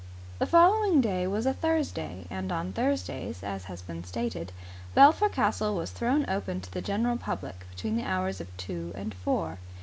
The following day was a Thursday and on Thursdays, as has been stated, Belpher Castle was thrown open to the general public between the hours of two and four.